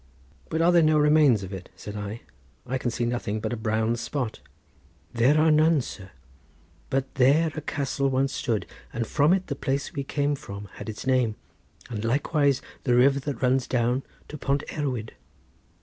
"But are there no remains of it?" said I. "I can see nothing but a brown spot." "There are none, sir! but there a castle once stood, and from it the place we came from had its name, and likewise the river that runs down to Pont Erwyd."